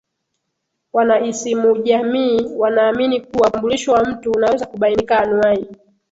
Wanaisimujamii wanaamini kuwa utambulisho wa mtu unaweza kubainika anuai